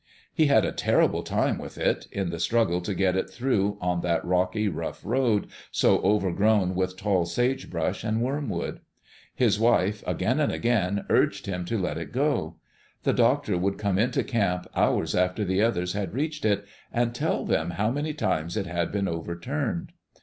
He had a terrible time with it, in the struggle to get it through, on that rocky, rough road, so overgrown with tall sagebrush and wormwood. His wife, again and again, urged him to let it go. The doctor would come into camp hours after the others had reached it, and tell them how many times it had been overturned.